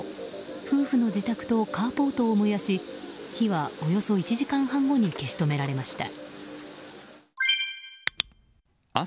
夫婦の自宅とカーポートを燃やし火はおよそ１時間半後に消し止められました。